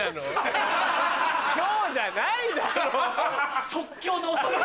今日じゃないだろ！